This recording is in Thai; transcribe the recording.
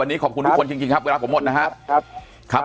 วันนี้ขอบคุณทุกคนจริงครับเวลาผมหมดนะครับ